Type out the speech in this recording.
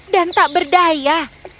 dan tak berdaya